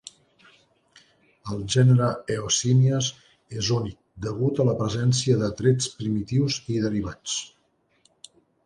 El gènere "Eosimias" és únic degut a la presència de trets primitius i derivats.